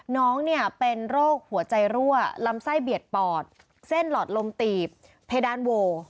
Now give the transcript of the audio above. น้องเนี่ยเป็นโรคหัวใจรั่วลำไส้เบียดปอดเส้นหลอดลมตีบเพดานโว